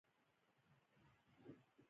د مؤمن ژبه نرم وي.